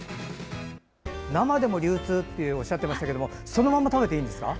生でも流通っておっしゃっていましたがそのまま食べていいんですか？